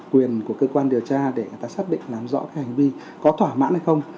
quyền của cơ quan điều tra để người ta xác định làm rõ hành vi có thỏa mãn hay không